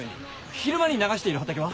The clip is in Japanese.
昼間に流している畑は？